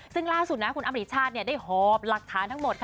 ซึ่งล่าสุดคุณอำริชาติได้หอบหลักฐานทั้งหมด